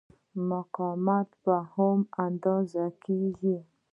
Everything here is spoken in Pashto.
مقاومت په اوهم اندازه کېږي.